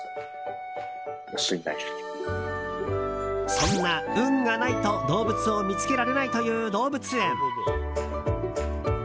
そんな運がないと、動物を見つけられないという動物園。